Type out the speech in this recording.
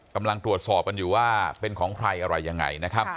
กำลังตรวจสอบกันอยู่ว่าเป็นของใครอะไรยังไงนะครับ